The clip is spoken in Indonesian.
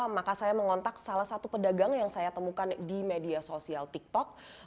maka saya mengontak salah satu pedagang yang saya temukan di media sosial tiktok